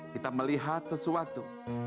kita melihat sesuatu